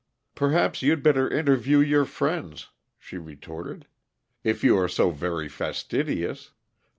"Perhaps you'd better interview your friends," she retorted, "if you are so very fastidious.